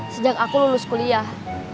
sejak aku lulus kuliah